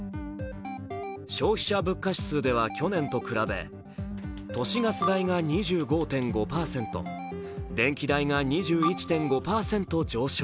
消費者物価指数では去年と比べ都市ガス代が２５．５％、電気代が２１．５％上昇。